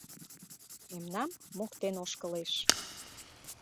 Мемнам моктен ошкылеш;